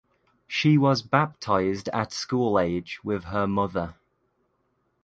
She was baptised at school age with her mother.